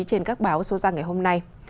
trên các báo số ra ngày hôm nay